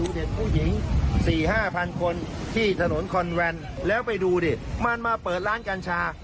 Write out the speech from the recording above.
กระทรวงสาธารณสุขอนุญาตให้เปิดได้ยังไง